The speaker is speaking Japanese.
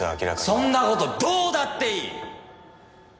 そんな事どうだっていい！